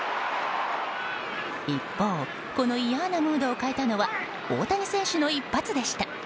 一方この嫌なムードを変えたのは大谷選手の一発でした。